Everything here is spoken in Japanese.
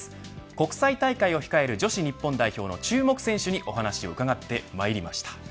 国際大会を控える女子日本代表の注目選手にお話を伺ってまいりました。